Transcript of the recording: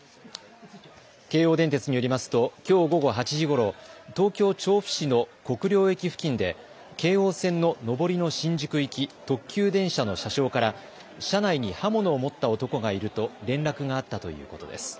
京王電鉄によりますときょう午後８時ごろ東京調布市の国領駅付近で京王線の上りの新宿行き特急電車の車掌から車内に刃物を持った男がいると連絡があったということです。